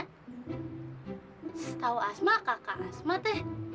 setahu asma kakak asma teh